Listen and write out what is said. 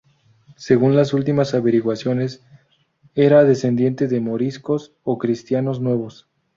Según las últimas averiguaciones era descendiente de moriscos o cristianos nuevos.